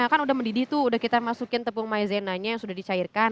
kan sudah mendidih sudah kita masukkan tepung maizena yang sudah dicairkan